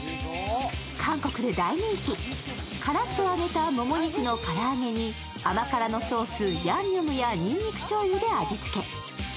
韓国で大人気、カラッと揚げたもも肉の唐揚げに甘辛のソース、ヤンニョムやにんにくしょうゆで味付け。